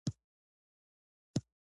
بازارونه یې تل ګرم وي.